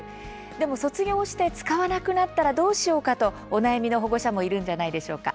でも卒業して使わなくなったらどうしようかとお悩みの保護者もいるんじゃないでしょうか。